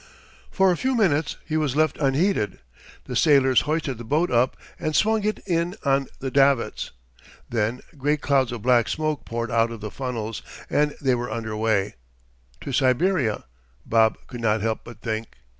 For a few minutes he was left unheeded. The sailors hoisted the boat up, and swung it in on the davits. Then great clouds of black smoke poured out of the funnels, and they were under way—to Siberia, Bub could not help but think.